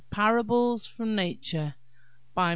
PARABLES FROM NATURE BY MRS.